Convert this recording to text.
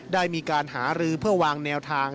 ได้มีการหารือเพื่อวางแนวทาง